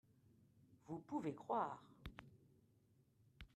vous pouvez croire.